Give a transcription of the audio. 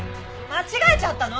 間違えちゃったの！